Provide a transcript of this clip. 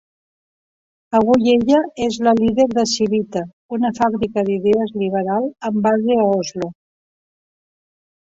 Avui ella és la líder de Civita, una fàbrica d'idees liberal amb base a Oslo.